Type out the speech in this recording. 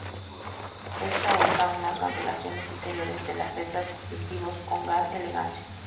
Ésta usa unas modulaciones interiores de las letras distintivos, con gran elegancia.